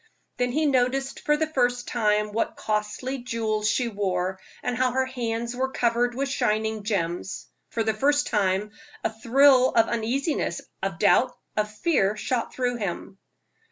Then he noticed for the first time what costly jewels she wore, and how her hands were covered with shining gems. For the first time a thrill of uneasiness, of doubt, of fear, shot through him.